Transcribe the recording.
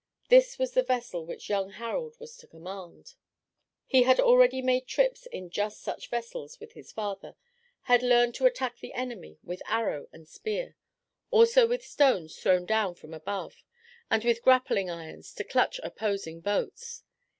This was the vessel which young Harald was to command. He had already made trips in just such vessels with his father; had learned to attack the enemy with arrow and spear; also with stones thrown down from above, and with grappling irons to clutch opposing boats.